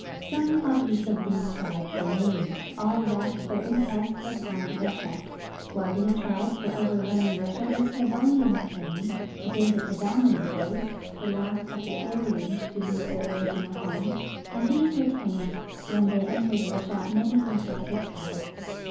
Some of each of these tribes remained ; all left their impress U{)on Russia. While these tribes were overrunning Russia the Slavonians came, to day the ]>redominant race, the last of the Aryans to leave their original home, ai\il these retained when they entered Russia many Asiatic habits.